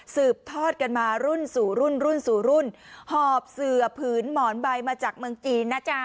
สืบทอดกันมารุ่นสู่รุ่นรุ่นสู่รุ่นหอบเสือผืนหมอนใบมาจากเมืองจีนนะจ๊ะ